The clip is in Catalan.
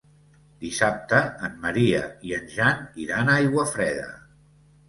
Dissabte en Maria i en Jan iran a Aiguafreda.